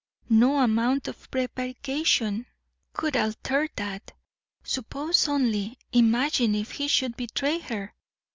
No amount of prevarication could alter that. Suppose only imagine if he should betray her.